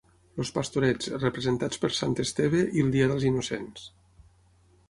Els Pastorets, representats per Sant Esteve i el dia dels Innocents.